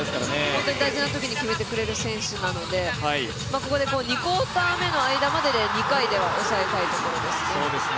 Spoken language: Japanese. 本当に大事なときに決めてくれる選手なので、ここで２クオーター目の間までで２回では抑えたいところですね。